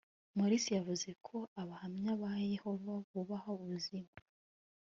morris yavuze ko abahamya ba yehova bubaha ubuzima